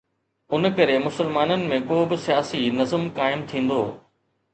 ان ڪري مسلمانن ۾ ڪو به سياسي نظم قائم ٿيندو.